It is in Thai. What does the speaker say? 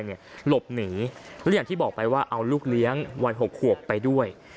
หลบหนีและอย่างที่บอกไปว่าเอาลูกเลี้ยงวัย๖ขวบไปด้วย